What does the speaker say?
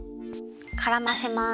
からませます。